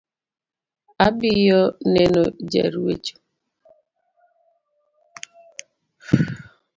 Abiyo neno ja ruecho